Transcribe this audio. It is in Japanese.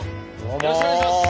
よろしくお願いします。